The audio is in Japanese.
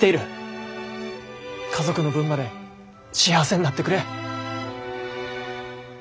家族の分まで幸せになってくれ。